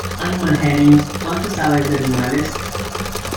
Animal Genius ¿Cuánto Sabes de animales?